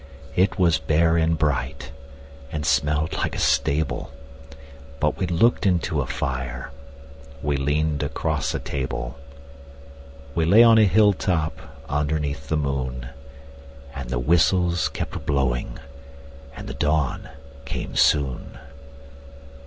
It was bare and bright, and smelled like a stable But we looked into a fire, we leaned across a table, We lay on a hilltop underneath the moon; And the whistles kept blowing, and the dawn came soon.